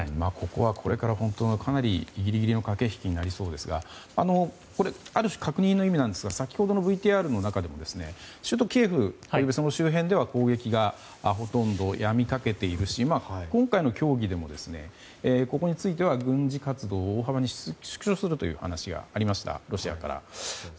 ここはギリギリの駆け引きになりそうですがある種、確認の意味ですが先ほどのＶＴＲの中でも首都キエフの周辺では攻撃がほとんどやみかけているし今回の協議でもここについては軍事活動を大幅に縮小するという話がありました、ロシアから。